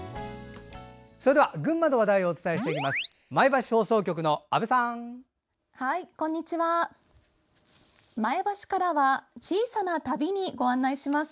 それでは群馬の話題をお伝えしていきます。